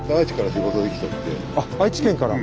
あっ愛知県から。